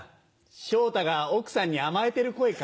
昇太が奥さんに甘えてる声か。